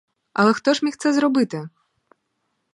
Але хто ж міг це зробити?